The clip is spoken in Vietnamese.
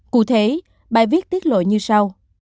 cụ thể bài viết tiết lộ như sau